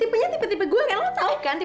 sipenya tipe tipe gue kan lo tahu kan